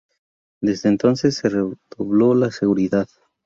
Desde entonces se redobló la seguridad.